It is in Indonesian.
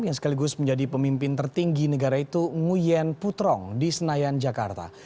yang sekaligus menjadi pemimpin tertinggi negara itu nguyen putrong di senayan jakarta